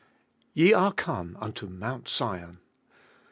Ye are come unto Mount Sion.